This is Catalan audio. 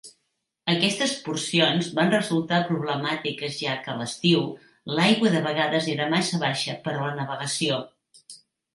Aquestes porcions van resultar problemàtiques ja que a l'estiu, l'aigua de vegades era massa baixa per a la navegació.